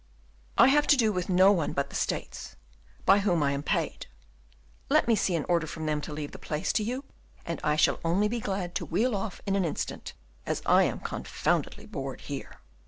I have to do with no one but the States, by whom I am paid; let me see an order from them to leave the place to you, and I shall only be too glad to wheel off in an instant, as I am confoundedly bored here."